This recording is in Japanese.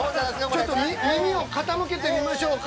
ちょっと耳を傾けてみましょうか。